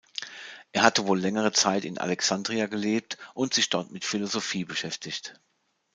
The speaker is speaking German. Er hatte wohl längere Zeit in Alexandria gelebt und sich dort mit Philosophie beschäftigt.